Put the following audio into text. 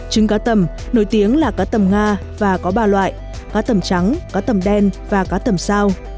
trứng cá tầm nổi tiếng là cá tầm nga và có ba loại cá tầm trắng cá tầm đen và cá tầm sao